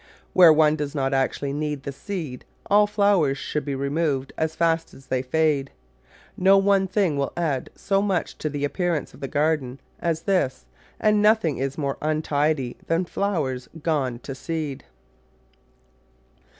Where one does not actually need the seed all flowers should be removed as fast as they fade. No one thing will add so much to the appearance of the garden as this, as nothing is more untidy than flowers gone to seed.